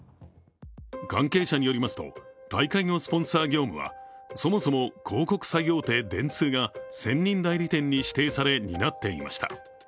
関係者によりますと、大会のスポンサー業務はそもそも広告最大手・電通が専任代理店に指定され担っていました。